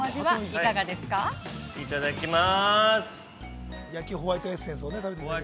◆いただきます。